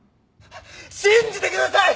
信じてください！